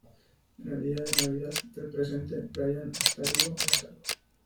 En el día de Navidad del presente, Brian está vivo y a salvo.